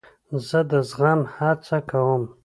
زه د زغم هڅه کوم.